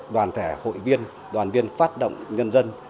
đoàn thể hội viên đoàn viên phát động nhân dân